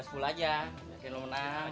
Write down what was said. setelah aja gue menobat